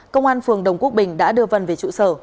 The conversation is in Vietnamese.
công an phường đồng quốc bình đã đưa vân về trụ sở